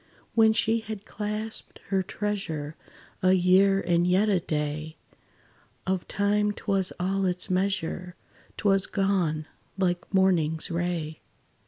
When she had clasped her treasure A year and yet a day, Of time 't was all its measure 'T was gone, like morning's ray!